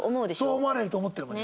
そう思われると思ってるもん